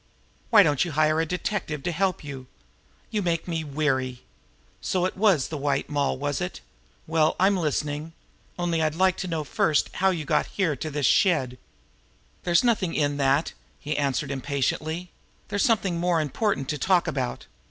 Why don't you hire a detective to help you? You make me weary! So, it was the White Moll, was it? Well, I'm listening only I'd like to know first how you got here to this shed." "There's nothing in that!" he answered impatiently. "There's something more important to talk about.